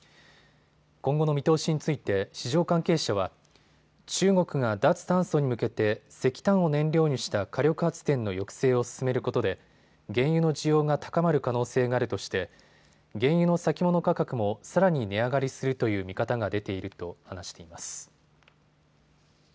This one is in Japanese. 今後の見通しについて市場関係者は中国が脱炭素に向けて石炭を燃料にした火力発電の抑制を進めることで原油の需要が高まる可能性があるとして原油の先物価格もさらに値上がりするという見方が出ていると話しています。